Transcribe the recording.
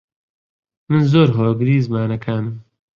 من زۆر هۆگری زمانەکانم.